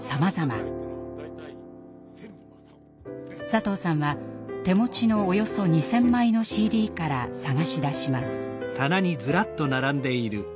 佐藤さんは手持ちのおよそ２，０００枚のＣＤから探し出します。